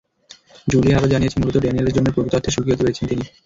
Julia আরও জানিয়েছেন, মূলত ড্যানিয়েলের জন্যই প্রকৃত অর্থে সুখী হতে পেরেছেন তিনি।